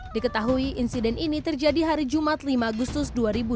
diketahui insiden ini terjadi hari jumat lima agustus dua ribu dua puluh